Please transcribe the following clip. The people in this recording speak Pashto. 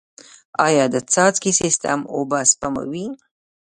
آیا د څاڅکي سیستم اوبه سپموي؟